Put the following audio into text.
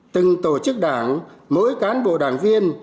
từng tổ chức đảng mỗi cán bộ đảng viên